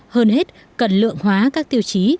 hơn hết cần lượng hóa các tiêu chí